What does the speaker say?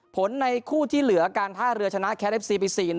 ผลในคู่ที่เหลือการท่าเรือชนะแคลฟซีปิกซี๑